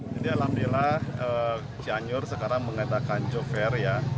jadi alhamdulillah cianjur sekarang mengatakan jauh fair ya